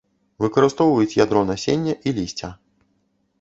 Выкарыстоўваюць ядро насення і лісця.